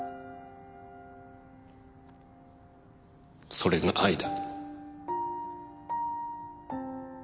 それが愛だ。